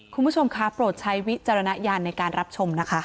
คุณผู้ชมคะโปรดใช้วิจารณญาณในการรับชมนะคะ